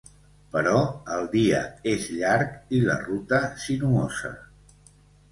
Però el dia és llarg i la ruta sinuosa.